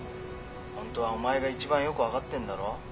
ホントはお前が一番よく分かってんだろ？